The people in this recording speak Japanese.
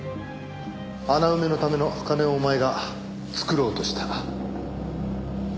穴埋めのための金をお前が作ろうとした。